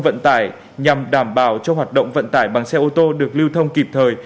vận tải nhằm đảm bảo cho hoạt động vận tải bằng xe ô tô được lưu thông kịp thời